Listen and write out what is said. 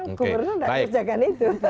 karena gubernur nggak kerjakan itu